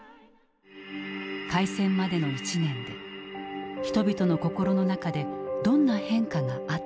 開戦までの１年で人々の心の中でどんな変化があったのか。